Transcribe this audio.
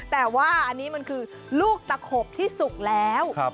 แต่ว่าอันนี้มันคือลูกตะขบที่สุกแล้ว